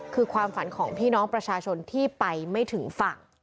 คือความฝันของพี่น้องประชาชนที่ไปไม่ถึงฝั่ง